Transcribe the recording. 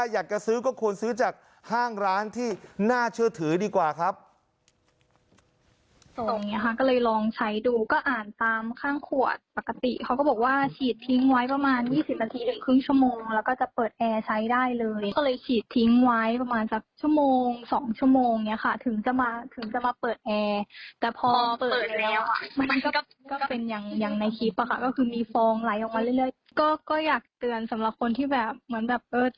อยากจะซื้อก็ควรซื้อจากห้างร้านที่น่าเชื่อถือดีกว่าครับ